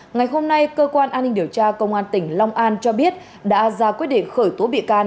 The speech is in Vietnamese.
ngày hôm nay cơ quan an ninh điều tra công an tỉnh long an cho biết đã ra quyết định khởi tố bị can